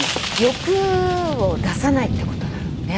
欲を出さないってことだろうね。